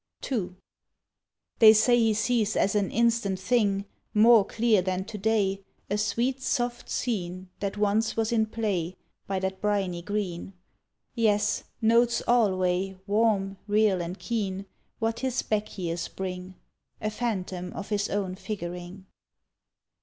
II They say he sees as an instant thing More clear than to day, A sweet soft scene That once was in play By that briny green; Yes, notes alway Warm, real, and keen, What his back years bring— A phantom of his own figuring.